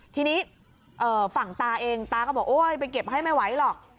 ทีนี้ฝั่งตาเองตาก็บอกโอ๊ยไปเก็บให้ไม่ไหวหรอก